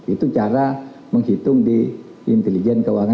itu cara menghitung di intelijen keuangan